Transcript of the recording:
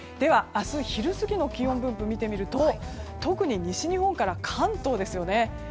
明日昼過ぎの気温分布を見てみると特に西日本から関東ですね。